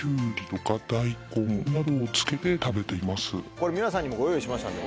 これ皆さんにもご用意しましたんで。